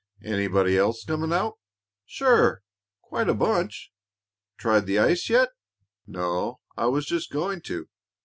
"Anybody else coming out?" "Sure; quite a bunch. Tried the ice yet?" "No; I was just going to."